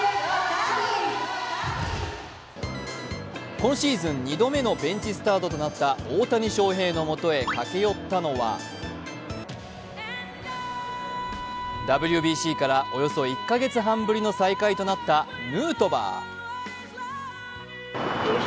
今シーズン２度目のベンチスタートとなった大谷翔平のもとへ駆け寄ったのはＷＢＣからおよそ１カ月半ぶりの再会となったヌートバー。